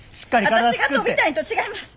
私が飛びたいんと違います。